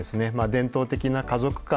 伝統的な家族観